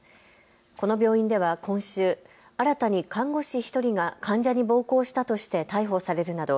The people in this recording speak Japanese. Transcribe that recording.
この病院では今週、新たに看護師１人が患者に暴行したとして逮捕されるなど